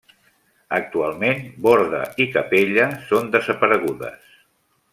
Actualment borda i capella són desaparegudes.